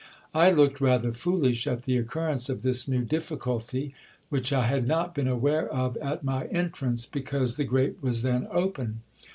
I looked rather foolish at the occurrence of this new difficulty, which I had not been aware of at my entrance, because the grate was then open.